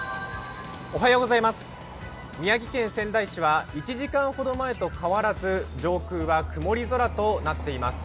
宮城県仙台市は１時間ほど前と変わらず上空は曇り空となっています。